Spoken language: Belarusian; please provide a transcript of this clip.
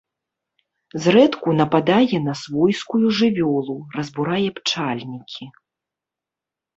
Зрэдку нападае на свойскую жывёлу, разбурае пчальнікі.